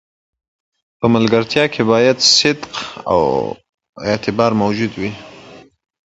But surely you’ve heard?